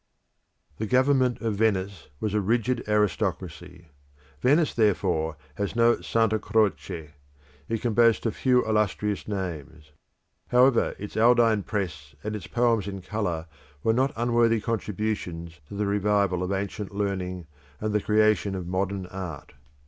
The government of Venice was a rigid aristocracy. Venice therefore has no Santa Croce; it can boast of few illustrious names. However, its Aldine Press and its poems in colour were not unworthy contributions to the revival of ancient learning and the creation of modern art.